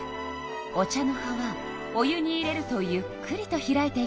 お茶の葉はお湯に入れるとゆっくりと開いていくわ。